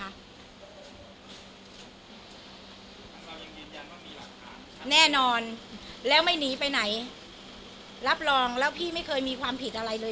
เรายังยืนยันว่ามีหลักฐานครับแน่นอนแล้วไม่หนีไปไหนรับรองแล้วพี่ไม่เคยมีความผิดอะไรเลย